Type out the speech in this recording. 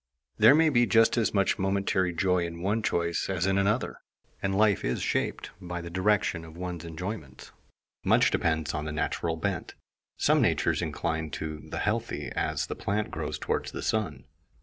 There may be just as much momentary joy in one choice as in another, and life is shaped by the direction of one's enjoyments. Much depends on the natural bent; some natures incline to the healthy as the plant grows toward the sun.